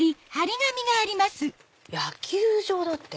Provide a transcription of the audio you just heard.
「野球場」だって。